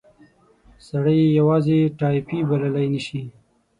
سړی یې یوازې ټایپي بللای نه شي.